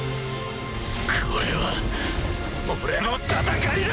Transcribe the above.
これは俺の戦いだ！